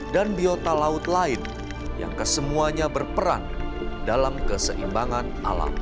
dan biota laut lain yang kesemuanya berperan dalam keseimbangan alam